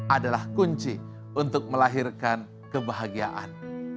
adalah kunci untuk melahirkan kebahagiaan